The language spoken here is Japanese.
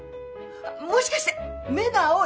もしかして目が青い？